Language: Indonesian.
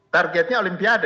targetnya olimpiade jadi di